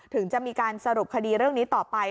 ถึงจะมีการสรุปคดีเรื่องนี้ต่อไป